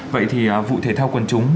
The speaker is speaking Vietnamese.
vậy thì vụ thể thao quần chúng